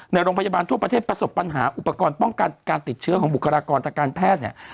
ในโรงพยาบาลทั่วประเทศประสบปัญหาอุปกรณ์ป้องกันการติดเชื้อของบุคลากรติดเชื้อ